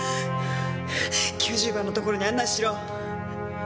９０番の所に案内しろ。